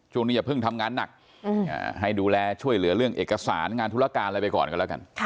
อย่าเพิ่งทำงานหนักให้ดูแลช่วยเหลือเรื่องเอกสารงานธุรการอะไรไปก่อนกันแล้วกัน